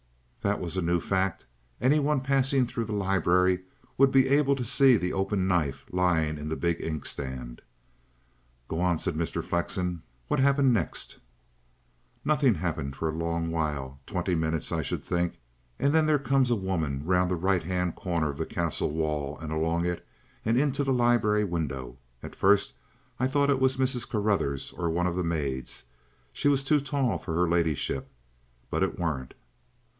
That was a new fact. Any one passing through the library would be able to see the open knife lying in the big inkstand. "Go on," said Mr. Flexen. "What happened next?" "Nothing 'appened for a long while twenty minutes, I should think and then there come a woman round the right 'and corner of the Castle wall and along it and into the libery winder. At first I thought it was Mrs. Carruthers, or one of the maids she were too tall for her ladyship but it warn't."